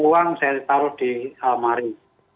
uang saya ditaruh di almari